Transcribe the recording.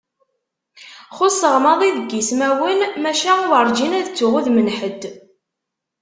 Xuṣṣeɣ maḍi deg ismawen, maca werǧin ad ttuɣ udem n ḥedd.